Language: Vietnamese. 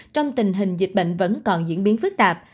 trong tình hình dịch bệnh vẫn còn diễn biến phức tạp